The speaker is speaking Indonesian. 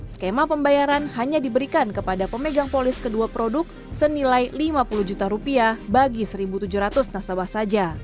skema pembayaran hanya diberikan kepada pemegang polis kedua produk senilai lima puluh juta rupiah bagi satu tujuh ratus nasabah saja